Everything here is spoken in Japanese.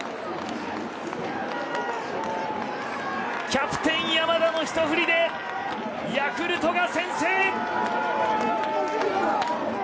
キャプテン山田のひと振りでヤクルトが先制。